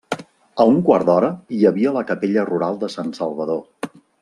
A un quart d'hora hi havia la capella rural de Sant Salvador.